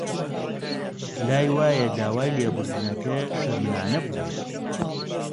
لای وایە داوای لێبوردنەکە شەرمنانە بووە